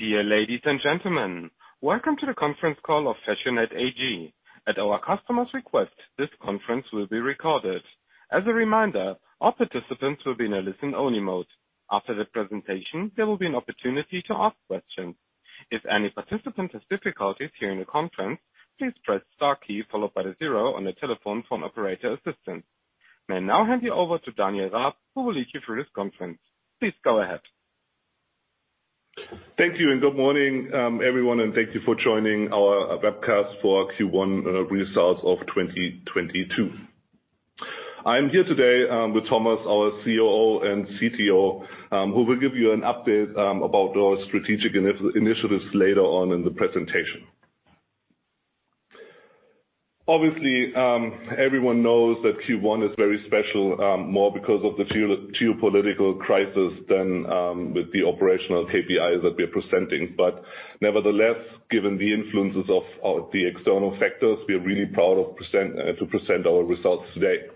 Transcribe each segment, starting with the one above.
Dear ladies and gentlemen, welcome to the conference call of fashionette AG. At our customer's request, this conference will be recorded. As a reminder, all participants will be in a listen-only mode. After the presentation, there will be an opportunity to ask questions. If any participant has difficulties hearing the conference, please press star key followed by the 0 on your telephone for an operator assistant. May I now hand you over to Daniel Raab, who will lead you through this conference. Please go ahead. Thank you and good morning, everyone, and thank you for joining our webcast for Q1 results of 2022. I am here today with Thomas, our COO and CTO, who will give you an update about our strategic initiatives later on in the presentation. Obviously, everyone knows that Q1 is very special, more because of the geopolitical crisis than with the operational KPIs that we're presenting. Nevertheless, given the influences of the external factors, we are really proud to present our results today.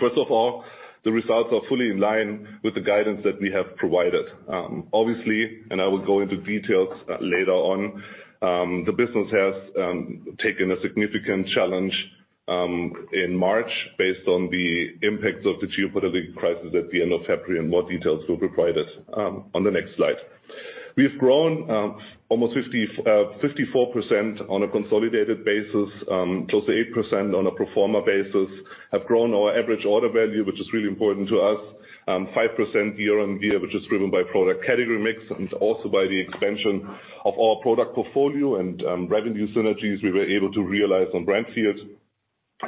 First of all, the results are fully in line with the guidance that we have provided. Obviously, I will go into details later on, the business has taken a significant challenge in March based on the impacts of the geopolitical crisis at the end of February, and more details will be provided on the next slide. We've grown almost 54% on a consolidated basis, close to 8% on a pro forma basis. Have grown our average order value, which is really important to us, 5% year-over-year, which is driven by product category mix and also by the expansion of our product portfolio and revenue synergies we were able to realize on Brandfield.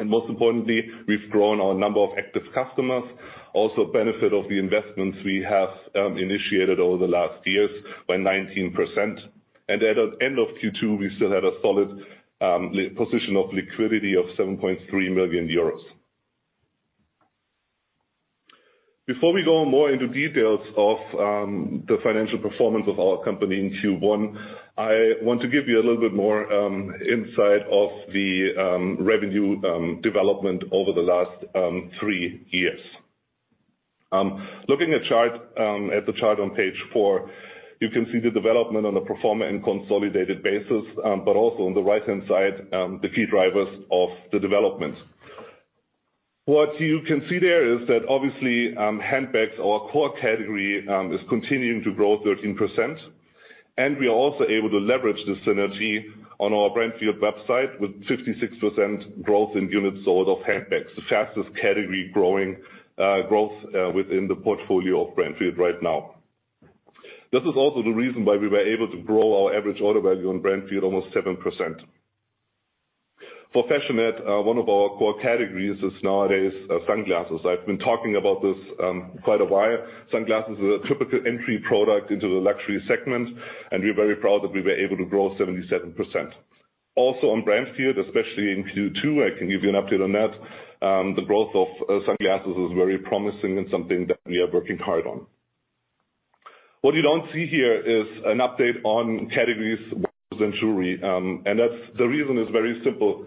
Most importantly, we've grown our number of active customers, also a benefit of the investments we have initiated over the last years by 19%. At the end of Q2, we still had a solid position of liquidity of 7.3 million euros. Before we go more into details of the financial performance of our company in Q1, I want to give you a little bit more insight of the revenue development over the last three years. Looking at the chart on Page 4, you can see the development on the pro forma and consolidated basis, but also on the right-hand side the key drivers of the development. What you can see there is that obviously, handbags, our core category, is continuing to grow 13%, and we are also able to leverage the synergy on our Brandfield website with 56% growth in units sold of handbags, the fastest category growth within the portfolio of Brandfield right now. This is also the reason why we were able to grow our average order value on Brandfield almost 7%. For Fashionette, one of our core categories is nowadays sunglasses. I've been talking about this quite a while. Sunglasses is a typical entry product into the luxury segment, and we're very proud that we were able to grow 77%. Also on Brandfield, especially in Q2, I can give you an update on that. The growth of sunglasses is very promising and something that we are working hard on. What you don't see here is an update on categories, watches and jewelry. That's the reason is very simple.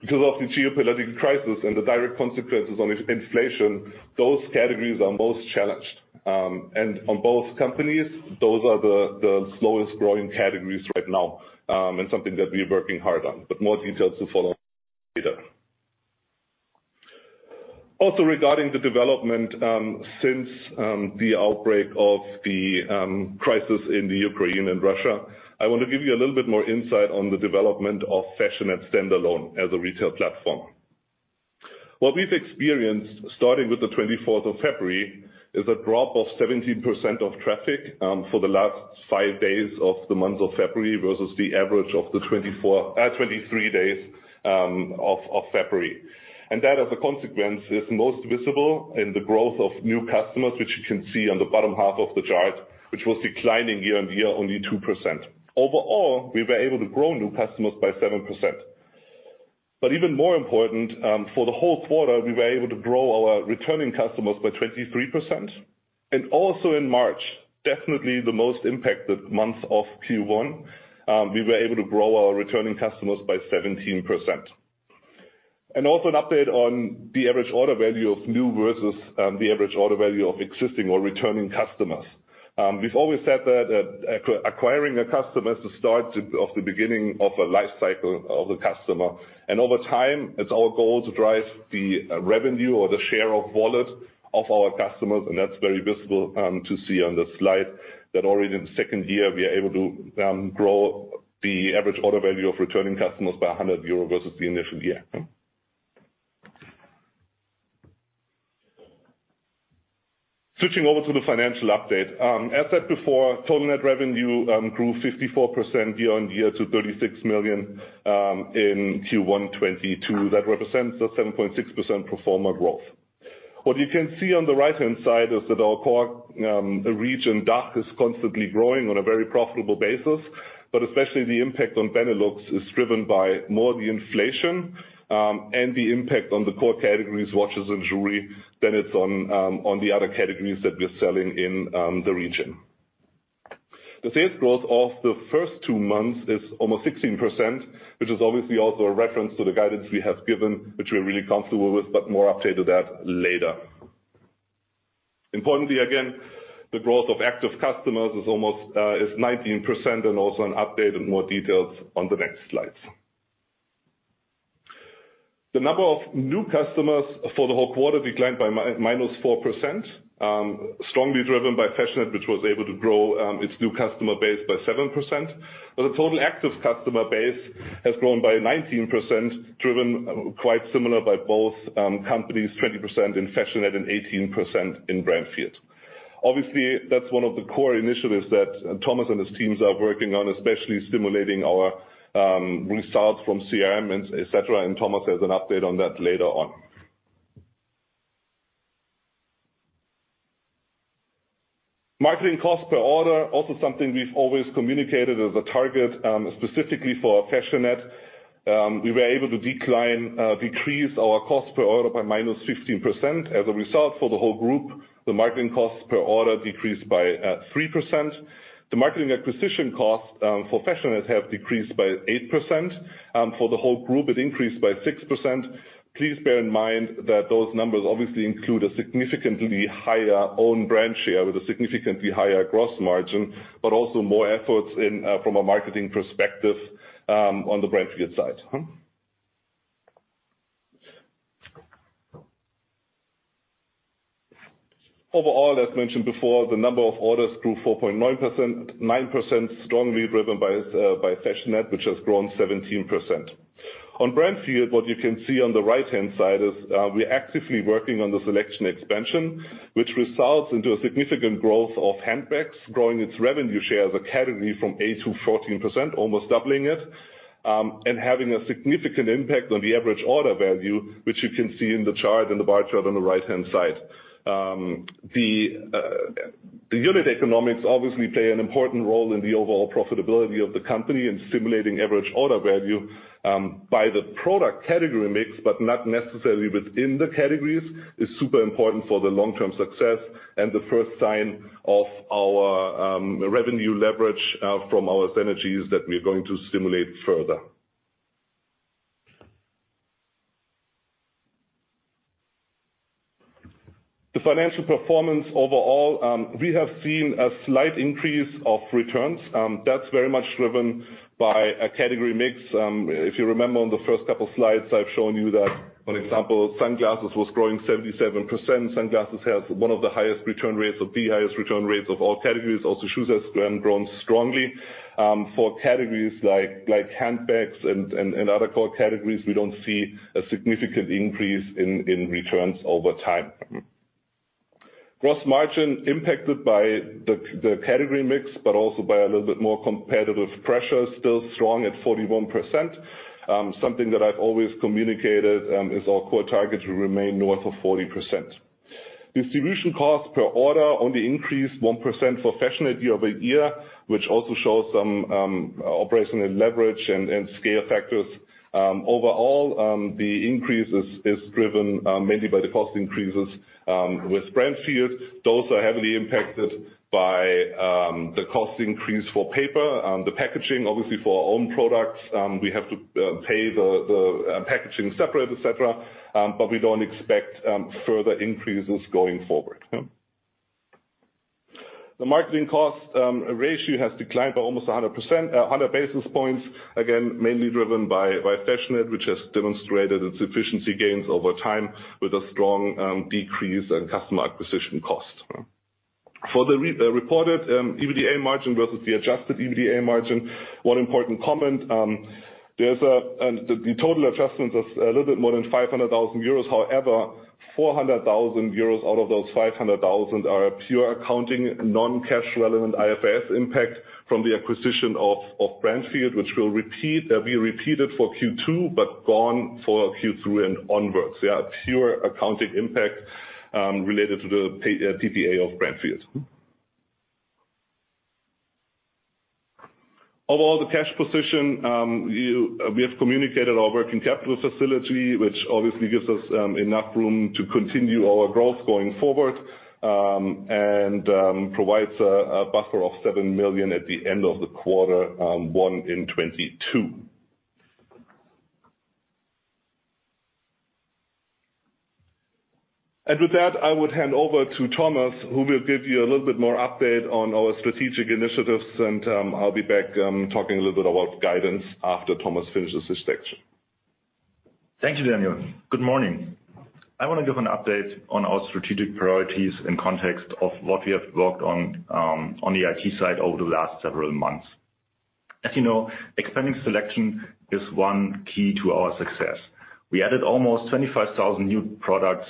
Because of the geopolitical crisis and the direct consequences on inflation, those categories are most challenged. On both companies, those are the slowest growing categories right now, something that we're working hard on. More details to follow later. Also regarding the development, since the outbreak of the crisis in the Ukraine and Russia, I want to give you a little bit more insight on the development of Fashionette standalone as a retail platform. What we've experienced starting with the 24th of February is a drop of 17% of traffic for the last 5 days of the month of February versus the average of the 24, 23 days of February. That as a consequence, is most visible in the growth of new customers, which you can see on the bottom half of the chart, which was declining year-on-year only 2%. Overall, we were able to grow new customers by 7%. Even more important, for the whole quarter, we were able to grow our returning customers by 23%. Also in March, definitely the most impacted month of Q1, we were able to grow our returning customers by 17%. Also an update on the average order value of new versus, the average order value of existing or returning customers. We've always said that acquiring a customer is the start of the beginning of a life cycle of a customer. Over time, it's our goal to drive the revenue or the share of wallet of our customers, and that's very visible to see on the slide that already in the second year, we are able to grow the average order value of returning customers by 100 euro versus the initial year. Switching over to the financial update. As said before, total net revenue grew 54% year-on-year to 36 million in Q1 2022. That represents the 7.6% pro forma growth. What you can see on the right-hand side is that our core region DACH is constantly growing on a very profitable basis. especially the impact on Benelux is driven by more the inflation, and the impact on the core categories, watches and jewelry, than it's on the other categories that we're selling in the region. The sales growth of the first two months is almost 16%, which is obviously also a reference to the guidance we have given, which we're really comfortable with, but more update to that later. Importantly, again, the growth of active customers is almost 19% and also an update and more details on the next slides. The number of new customers for the whole quarter declined by minus 4%, strongly driven by Fashionette, which was able to grow its new customer base by 7%. The total active customer base has grown by 19%, driven quite similar by both companies, 20% in Fashionette and 18% in Brandfield. Obviously, that's one of the core initiatives that Thomas and his teams are working on, especially stimulating our results from CRM and et cetera, and Thomas has an update on that later on. Marketing cost per order, also something we've always communicated as a target, specifically for Fashionette. We were able to decrease our cost per order by -15%. As a result, for the whole group, the marketing costs per order decreased by 3%. The marketing acquisition costs for Fashionette have decreased by 8%. For the whole group, it increased by 6%. Please bear in mind that those numbers obviously include a significantly higher own brand share with a significantly higher gross margin, but also more efforts in, from a marketing perspective, on the Brandfield side. Overall, as mentioned before, the number of orders grew 4.9%, 9% strongly driven by Fashionette, which has grown 17%. On Brandfield, what you can see on the right-hand side is, we're actively working on the selection expansion, which results into a significant growth of handbags, growing its revenue share as a category from 8%-14%, almost doubling it, and having a significant impact on the average order value, which you can see in the chart, in the bar chart on the right-hand side. The unit economics obviously play an important role in the overall profitability of the company and stimulating average order value by the product category mix, but not necessarily within the categories is super important for the long-term success and the first sign of our revenue leverage from our synergies that we're going to stimulate further. The financial performance overall, we have seen a slight increase of returns. That's very much driven by a category mix. If you remember on the first couple slides, I've shown you that, for example, sunglasses was growing 77%. Sunglasses has one of the highest return rates or the highest return rates of all categories. Also, shoes has grown strongly. For categories like handbags and other core categories, we don't see a significant increase in returns over time. Gross margin impacted by the category mix, but also by a little bit more competitive pressure, still strong at 41%. Something that I've always communicated is our core targets will remain north of 40%. Distribution costs per order only increased 1% for Fashionette year-over-year, which also shows some operational leverage and scale factors. Overall, the increase is driven mainly by the cost increases with Brandfield. Those are heavily impacted by the cost increase for paper. The packaging, obviously for our own products, we have to pay the packaging separate, et cetera, but we don't expect further increases going forward. The marketing cost ratio has declined by almost 100%, 100 basis points, again, mainly driven by Fashionette, which has demonstrated its efficiency gains over time with a strong decrease in customer acquisition costs. For the re-reported EBITDA margin versus the adjusted EBITDA margin, one important comment, the total adjustment is a little bit more than 500,000 euros. However, 400,000 euros out of those 500,000 are pure accounting, non-cash relevant IFRS impact from the acquisition of Brandfield, which will be repeated for Q2, but gone for Q3 and onwards. They are pure accounting impact related to the PPA of Brandfield. Overall, the cash position, you... We have communicated our working capital facility, which obviously gives us enough room to continue our growth going forward, and provides a buffer of 7 million at the end of the quarter 1 in 2022. With that, I would hand over to Thomas, who will give you a little bit more update on our strategic initiatives, and I'll be back talking a little bit about guidance after Thomas finishes this section. Thank you, Daniel. Good morning. I wanna give an update on our strategic priorities in context of what we have worked on on the IT side over the last several months. As you know, expanding selection is one key to our success. We added almost 25,000 new products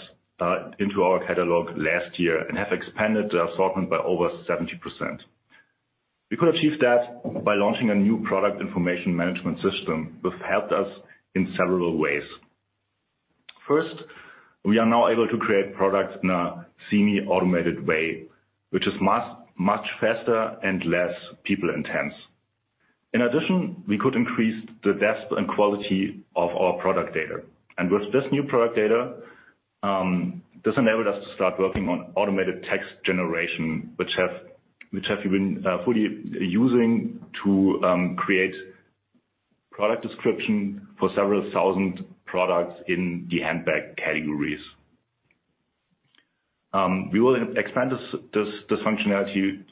into our catalog last year and have expanded the assortment by over 70%. We could achieve that by launching a new product information management system, which helped us in several ways. First, we are now able to create products in a semi-automated way, which is much faster and less people intense. In addition, we could increase the depth and quality of our product data. With this new product data, this enabled us to start working on automated text generation, which has been fully used to create product description for several thousand products in the handbag categories. We will expand this functionality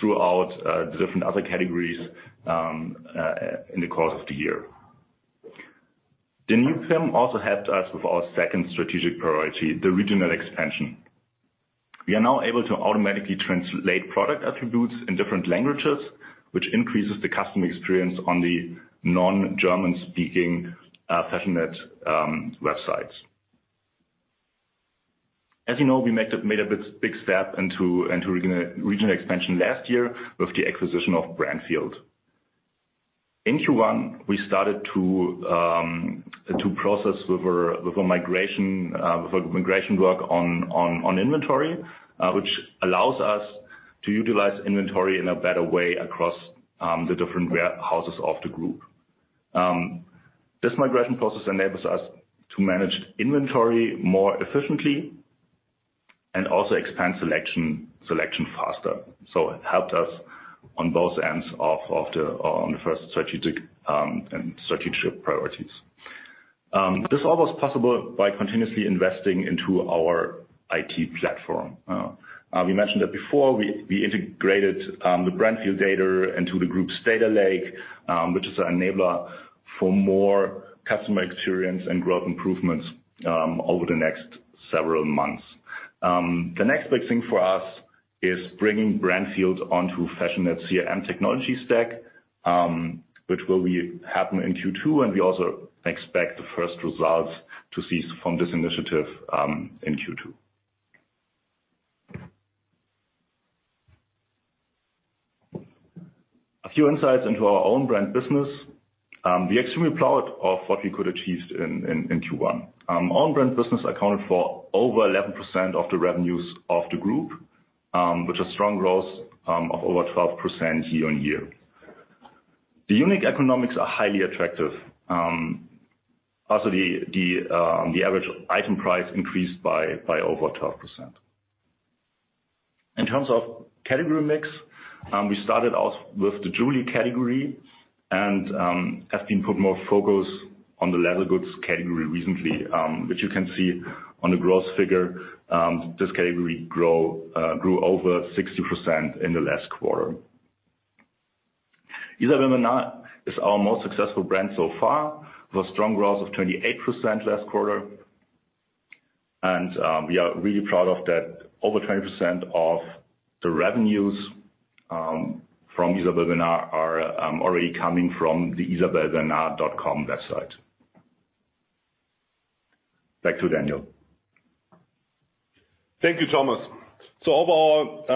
throughout the different other categories in the course of the year. The new PIM also helped us with our second strategic priority, the regional expansion. We are now able to automatically translate product attributes in different languages, which increases the customer experience on the non-German speaking Fashionette websites. As you know, we made a big step into regional expansion last year with the acquisition of Brandfield. In Q1, we started to process with a migration work on inventory, which allows us to utilize inventory in a better way across the different warehouses of the group. This migration process enables us to manage inventory more efficiently and also expand selection faster. It helped us on both ends of the first strategic priorities. This all was possible by continuously investing into our IT platform. We mentioned that before we integrated the Brandfield data into the group's data lake, which is an enabler for more customer experience and growth improvements over the next several months. The next big thing for us is bringing Brandfield onto Fashionette CRM technology stack, which will happen in Q2, and we also expect to see the first results from this initiative, in Q2. A few insights into our own brand business. We are extremely proud of what we could achieve in Q1. Own brand business accounted for over 11% of the revenues of the group, which is strong growth of over 12% year-on-year. The unit economics are highly attractive. Also the average item price increased by over 12%. In terms of category mix, we started off with the jewelry category and have been put more focus on the leather goods category recently, which you can see on the growth figure. This category grew over 60% in the last quarter. Isabel Marant is our most successful brand so far, with strong growth of 28% last quarter. We are really proud of that. Over 20% of the revenues from Isabel Marant are already coming from the isabelmarant.com website. Back to Daniel. Thank you, Thomas. Overall,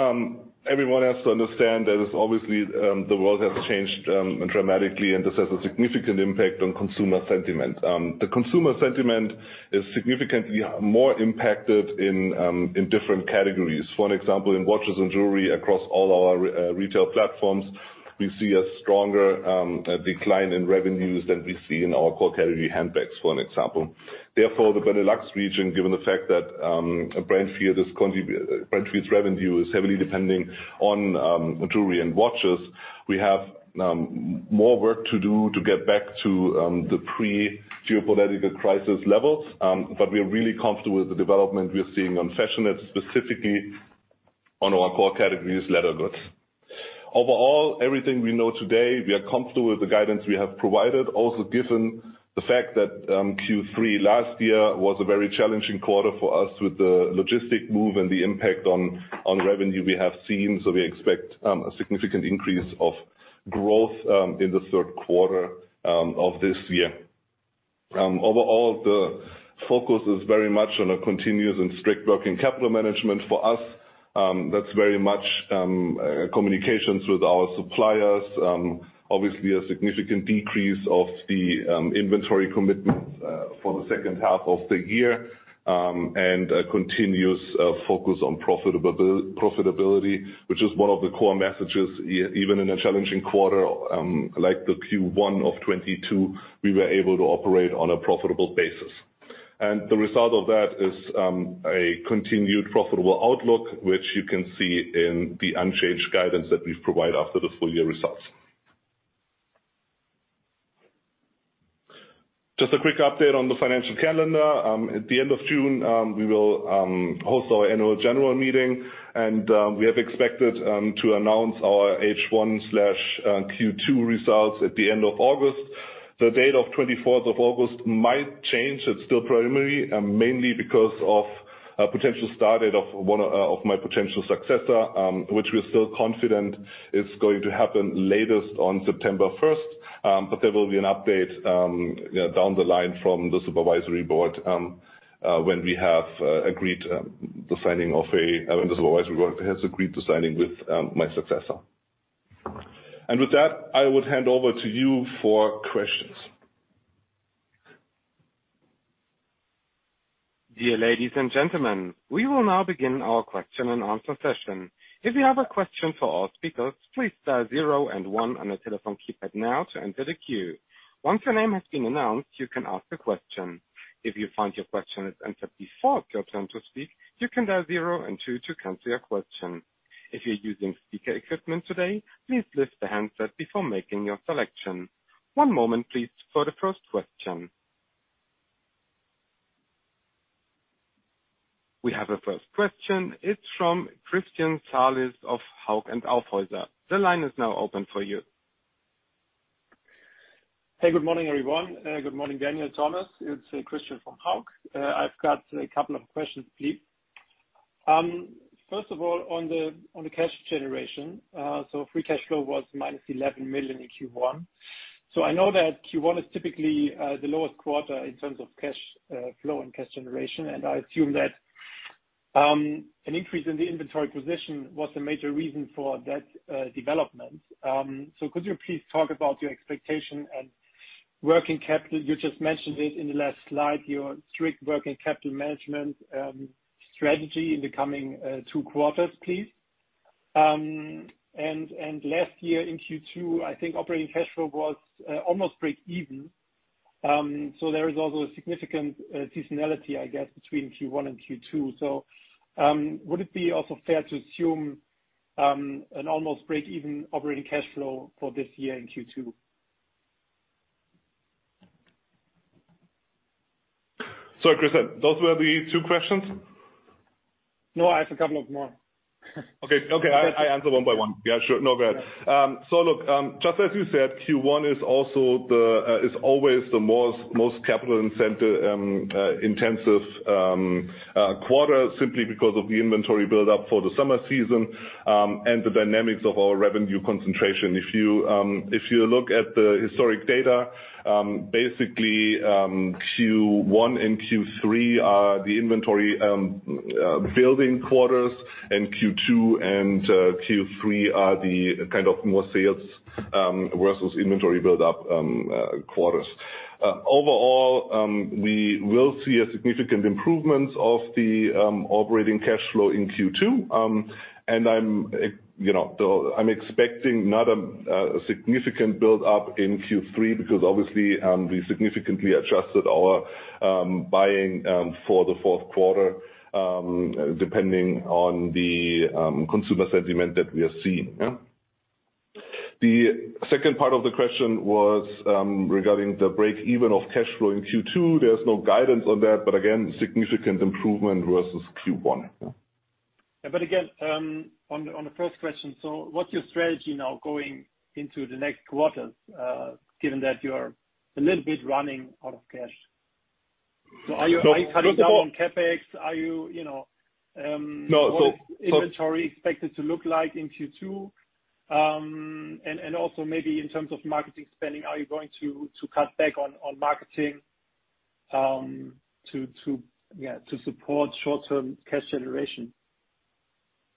everyone has to understand that obviously, the world has changed, dramatically and this has a significant impact on consumer sentiment. The consumer sentiment is significantly more impacted in different categories. For example, in watches and jewelry across all our retail platforms, we see a stronger decline in revenues than we see in our core category handbags, for an example. Therefore, the Benelux region, given the fact that, Brandfield's revenue is heavily depending on jewelry and watches. We have more work to do to get back to the pre-geopolitical crisis levels. We are really comfortable with the development we are seeing on Fashionette, specifically on our core categories, leather goods. Overall, everything we know today, we are comfortable with the guidance we have provided. Given the fact that Q3 last year was a very challenging quarter for us with the logistics move and the impact on revenue we have seen. We expect a significant increase of growth in the third quarter of this year. Overall, the focus is very much on a continuous and strict working capital management. For us, that's very much communications with our suppliers. Obviously a significant decrease of the inventory commitments for the second half of the year. A continuous focus on profitability, which is one of the core messages even in a challenging quarter like the Q1 of 2022. We were able to operate on a profitable basis. The result of that is a continued profitable outlook, which you can see in the unchanged guidance that we've provided after the full year results. Just a quick update on the financial calendar. At the end of June, we will host our annual general meeting, and we have expected to announce our H1/Q2 results at the end of August. The date of 24th of August might change. It's still preliminary, mainly because of a potential start date of my potential successor, which we're still confident is going to happen latest on September 1. There will be an update down the line from the supervisory board when the supervisory board has agreed to signing with my successor. With that, I would hand over to you for questions. Dear ladies and gentlemen, we will now begin our question and answer session. If you have a question for our speakers, please dial 0 and 1 on your telephone keypad now to enter the queue. Once your name has been announced, you can ask a question. If you find your question is answered before it's your turn to speak, you can dial 0 and 2 to cancel your question. If you're using speaker equipment today, please lift the handset before making your selection. One moment please, for the first question. We have a first question. It's from Christian Salis of Hauck & Aufhäuser. The line is now open for you. Hey, good morning, everyone. Good morning, Daniel, Thomas. It's Christian from Hauck & Aufhäuser. I've got a couple of questions, please. First of all, on the cash generation, free cash flow was -11 million in Q1. I know that Q1 is typically the lowest quarter in terms of cash flow and cash generation. I assume that an increase in the inventory position was a major reason for that development. Could you please talk about your expectation and working capital? You just mentioned it in the last slide, your strict working capital management strategy in the coming two quarters, please. Last year in Q2, I think operating cash flow was almost breakeven. There is also a significant seasonality, I guess, between Q1 and Q2. Would it be also fair to assume an almost breakeven operating cash flow for this year in Q2? Sorry, Christian, those were the two questions? No, I have a couple of more. Okay. I answer one by one. Yeah, sure. No, go ahead. Look, just as you said, Q1 is also always the most capital-intensive quarter, simply because of the inventory build-up for the summer season and the dynamics of our revenue concentration. If you look at the historical data, basically, Q1 and Q3 are the inventory building quarters, and Q2 and Q3 are the kind of more sales versus inventory build-up quarters. Overall, we will see a significant improvement of the operating cash flow in Q2. I'm, you know, though I'm expecting not a significant build-up in Q3 because obviously, we significantly adjusted our buying for the 4th quarter depending on the consumer sentiment that we are seeing, yeah. The second part of the question was regarding the break-even of cash flow in Q2. There's no guidance on that, but again, significant improvement versus Q1, yeah. Again, on the first question, what's your strategy now going into the next quarters, given that you're a little bit running out of cash? Are you cutting down on CapEx? Are you know? No. What's inventory expected to look like in Q2? Also maybe in terms of marketing spending, are you going to cut back on marketing to support short-term cash generation?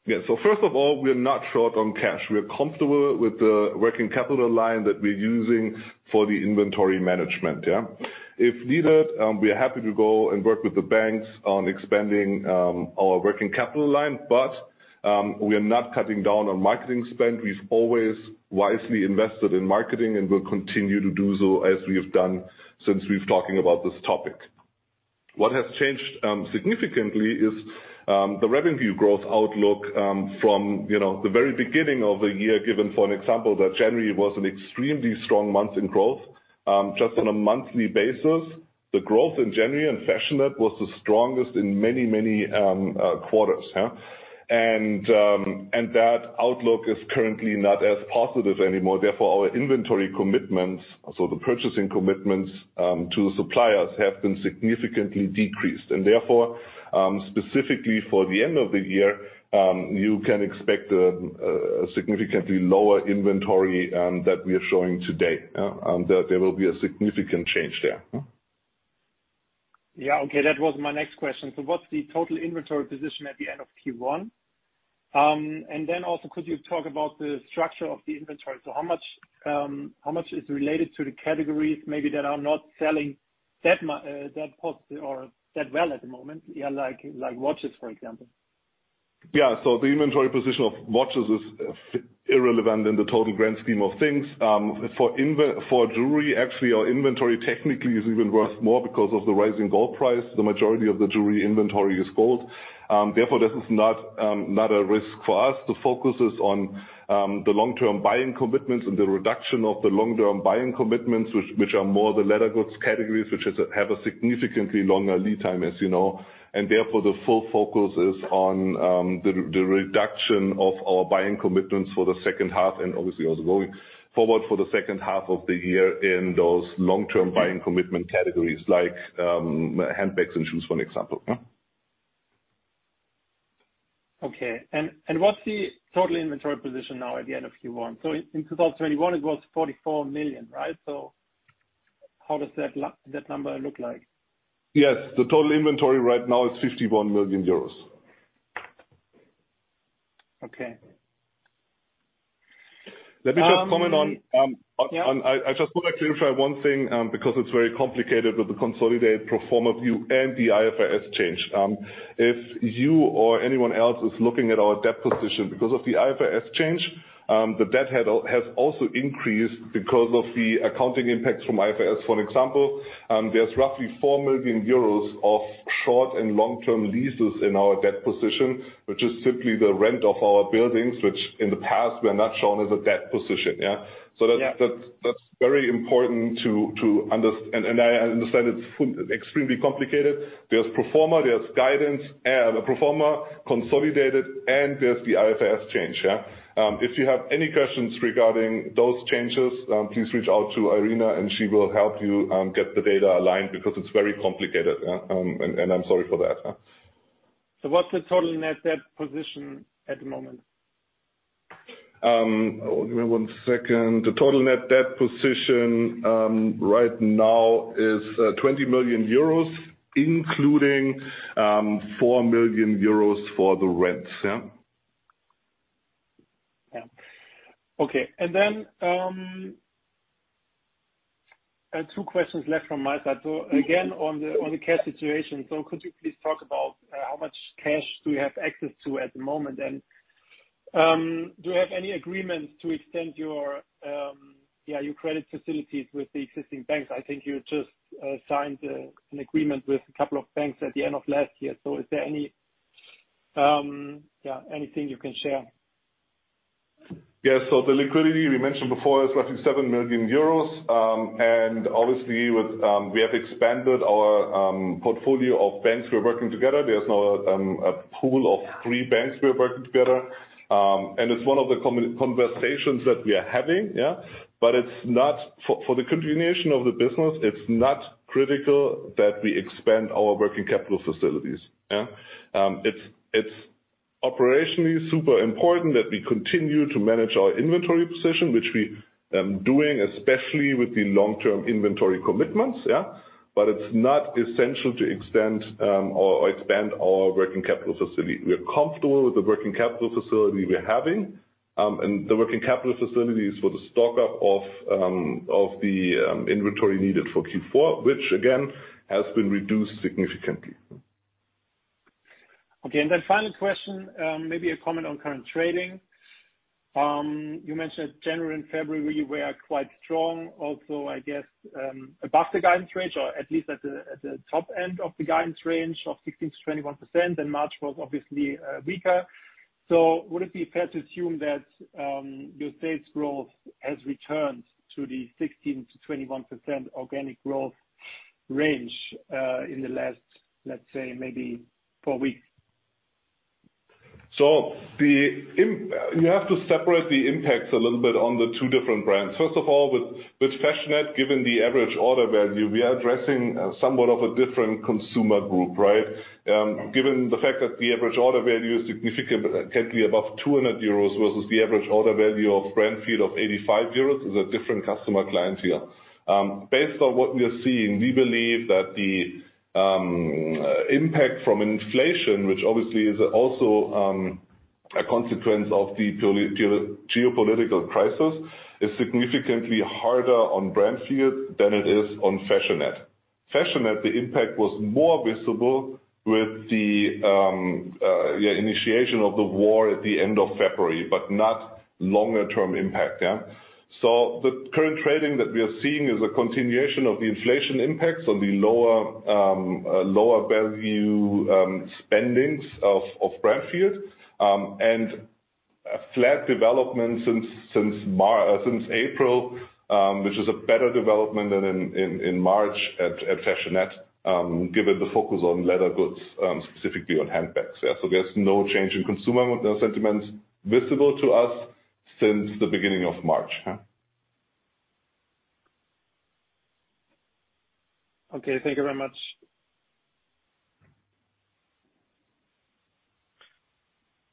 Yeah. First of all, we are not short on cash. We are comfortable with the working capital line that we're using for the inventory management, yeah. If needed, we are happy to go and work with the banks on expanding our working capital line, but we are not cutting down on marketing spend. We've always wisely invested in marketing and will continue to do so as we have done since we're talking about this topic. What has changed significantly is the revenue growth outlook from you know the very beginning of the year, given for an example that January was an extremely strong month in growth. Just on a monthly basis, the growth in January in Fashionette was the strongest in many quarters, yeah. That outlook is currently not as positive anymore. Therefore, our inventory commitments, so the purchasing commitments, to suppliers, have been significantly decreased. Therefore, specifically for the end of the year, you can expect a significantly lower inventory that we are showing today, yeah. There will be a significant change there, huh. Yeah, okay. That was my next question. What's the total inventory position at the end of Q1? Then also could you talk about the structure of the inventory? How much is related to the categories maybe that are not selling that positive or that well at the moment? Yeah, like watches, for example. Yeah. The inventory position of watches is irrelevant in the total grand scheme of things. For jewelry, actually, our inventory technically is even worth more because of the rising gold price. The majority of the jewelry inventory is gold. Therefore, this is not a risk for us. The focus is on the long-term buying commitments and the reduction of the long-term buying commitments, which are more the leather goods categories, which have a significantly longer lead time, as you know. Therefore, the full focus is on the reduction of our buying commitments for the second half, and obviously also going forward for the second half of the year in those long-term buying commitment categories like handbags and shoes, for an example, yeah. What's the total inventory position now at the end of Q1? In 2021, it was 44 million, right? How does that number look like? Yes. The total inventory right now is 51 million euros. Okay. Let me just comment on. Yeah. I just want to clarify one thing, because it's very complicated with the consolidated pro forma view and the IFRS change. If you or anyone else is looking at our debt position because of the IFRS change, the debt has also increased because of the accounting impacts from IFRS. For example, there's roughly 4 million euros of short and long-term leases in our debt position, which is simply the rent of our buildings, which in the past were not shown as a debt position, yeah? Yeah. That's very important to understand. I understand it's extremely complicated. There's pro forma, there's guidance, the pro forma consolidated, and there's the IFRS change, yeah? If you have any questions regarding those changes, please reach out to Irina, and she will help you get the data aligned because it's very complicated. I'm sorry for that. What's the total net debt position at the moment? Give me one second. The total net debt position right now is 20 million euros, including 4 million euros for the rents, yeah? Yeah. Okay. Two questions left from my side. Again, on the cash situation. Could you please talk about how much cash do you have access to at the moment? Do you have any agreements to extend your credit facilities with the existing banks? I think you just signed an agreement with a couple of banks at the end of last year. Is there anything you can share? The liquidity we mentioned before is roughly 7 million euros. Obviously, we have expanded our portfolio of banks we're working together. There's now a pool of 3 banks we are working together. It's one of the conversations that we are having, yeah? It's not critical for the continuation of the business that we expand our working capital facilities, yeah? It's operationally super important that we continue to manage our inventory position, which we doing especially with the long-term inventory commitments, yeah? It's not essential to extend or expand our working capital facility. We are comfortable with the working capital facility we are having. The working capital facilities for the stock-up of the inventory needed for Q4, which again, has been reduced significantly. Okay. Then final question, maybe a comment on current trading. You mentioned January and February were quite strong also, I guess, above the guidance range, or at least at the top end of the guidance range of 16%-21%, and March was obviously weaker. Would it be fair to assume that your sales growth has returned to the 16%-21% organic growth range in the last, let's say maybe four weeks? You have to separate the impacts a little bit on the two different brands. First of all, with Fashionette, given the average order value, we are addressing somewhat of a different consumer group, right? Given the fact that the average order value is significantly above 200 euros versus the average order value of Brandfield of 85 euros is a different customer client here. Based on what we are seeing, we believe that the impact from inflation, which obviously is also a consequence of the geopolitical crisis, is significantly harder on Brandfield than it is on Fashionette. Fashionette, the impact was more visible with the initiation of the war at the end of February, but not longer term impact. The current trading that we are seeing is a continuation of the inflation impacts on the lower value spendings of Brandfield, and a flat development since April, which is a better development than in March at Fashionette, given the focus on leather goods, specifically on handbags. There's no change in consumer sentiments visible to us since the beginning of March. Okay. Thank you very much.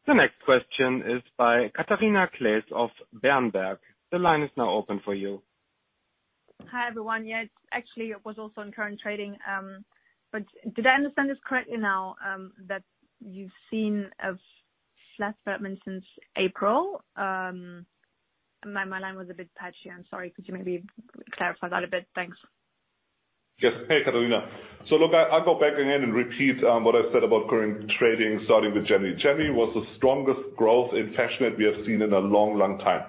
The next question is by Catharina Claes of Berenberg. The line is now open for you. Hi, everyone. Yes. Actually, it was also on current trading. Did I understand this correctly now, that you've seen a flat development since April? My line was a bit patchy. I'm sorry. Could you maybe clarify that a bit? Thanks. Yes. Hey, Catharina. Look, I'll go back again and repeat what I said about current trading starting with January. January was the strongest growth in Fashionette we have seen in a long, long time.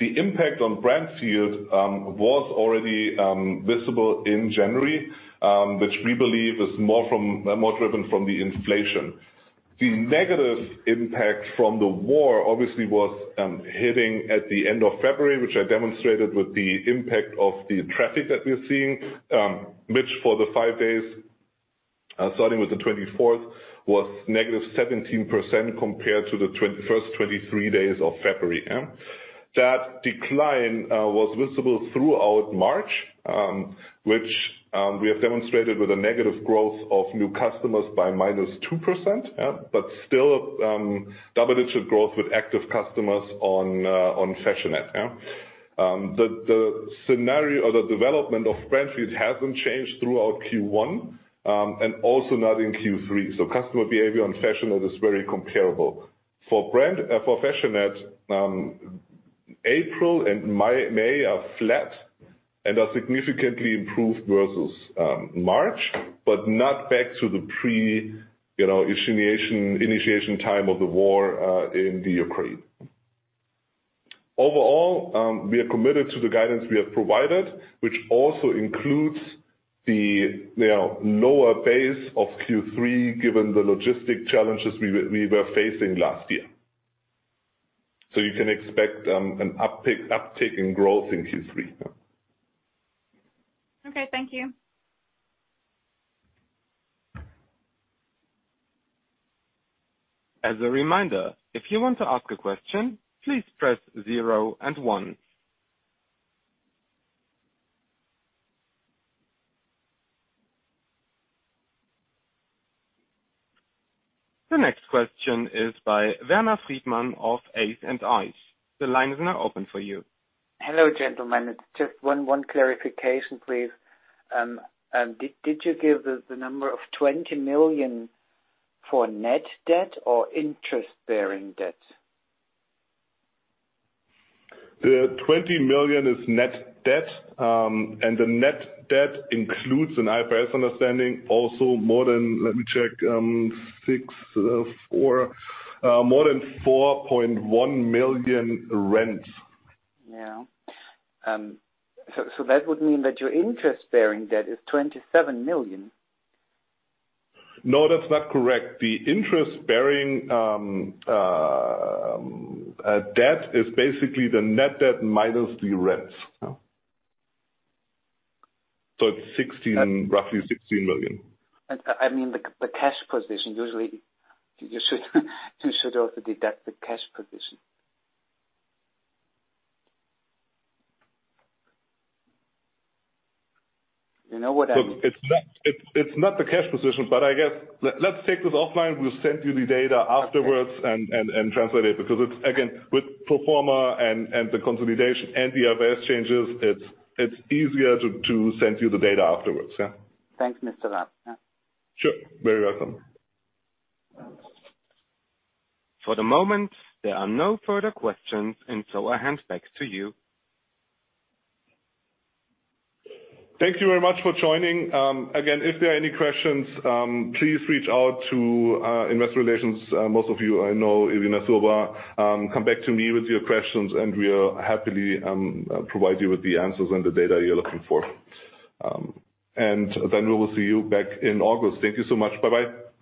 The impact on Brandfield was already visible in January, which we believe is more driven from the inflation. The negative impact from the war obviously was hitting at the end of February, which I demonstrated with the impact of the traffic that we're seeing, which for the 5 days starting with the 24th was negative 17% compared to the first 23 days of February, yeah. That decline was visible throughout March, which we have demonstrated with a negative growth of new customers by -2%, yeah. Still, double-digit growth with active customers on Fashionette, yeah. The scenario or the development of Brandfield hasn't changed throughout Q1 and also not in Q3. Customer behavior on Fashionette is very comparable. For Fashionette, April and May are flat and are significantly improved versus March, but not back to the pre-initiation time of the war in the Ukraine. Overall, we are committed to the guidance we have provided, which also includes the lower base of Q3, given the logistical challenges we were facing last year. You can expect an uptick in growth in Q3. Okay, thank you. As a reminder, if you want to ask a question, please press zero and one. The next question is by Werner Friedmann of A & I. The line is now open for you. Hello, gentlemen. Just one clarification, please. Did you give the number of 20 million for net debt or interest-bearing debt? The 20 million is net debt. The net debt includes an IFRS understanding also more than 4.1 million rent. Yeah. That would mean that your interest-bearing debt is 27 million. No, that's not correct. The interest-bearing debt is basically the net debt minus the rents. It's 16, roughly 16 million. I mean, the cash position. Usually you should also deduct the cash position. You know what I mean? It's not the cash position, but I guess let's take this offline. We'll send you the data afterwards. translate it because it's. Again, with pro forma and the consolidation and the IFRS changes, it's easier to send you the data afterwards. Yeah. Thanks, Mr. Raab. Yeah. Sure. Very welcome. For the moment, there are no further questions, and so I'll hand back to you. Thank you very much for joining. Again, if there are any questions, please reach out to investor relations. Most of you I know, Irina Sotonina. Come back to me with your questions, and we'll happily provide you with the answers and the data you're looking for. We will see you back in August. Thank you so much. Bye-bye.